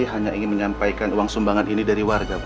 hanya ingin menyampaikan uang sumbangan ini dari warga